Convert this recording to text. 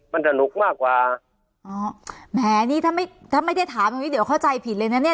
มันสนุกมากกว่าอ๋อแหมนี่ถ้าไม่ถ้าไม่ได้ถามตรงนี้เดี๋ยวเข้าใจผิดเลยนะเนี่ย